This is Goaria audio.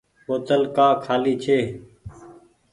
بوتل ڪآ کآلي ڇي۔